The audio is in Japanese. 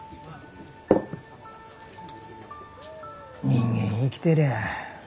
人間生きてりゃ